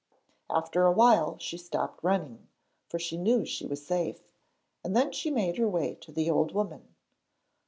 After a while she stopped running, for she knew she was safe, and then she made her way to the old woman.